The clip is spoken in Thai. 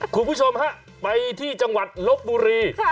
คุณผู้ชมฮะไปที่จังหวัดลบบุรี